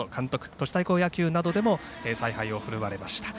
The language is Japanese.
都市対抗野球などでも采配を振るわれました。